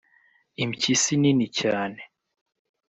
impyisi nini cyane